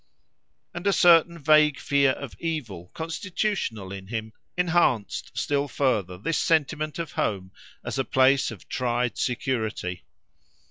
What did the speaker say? And a certain vague fear of evil, constitutional in him, enhanced still further this sentiment of home as a place of tried security.